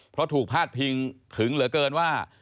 เพราะถูกพาดพิงถึงเหลือเกินว่า